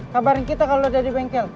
kabarin kita kalo lo ada di bengkel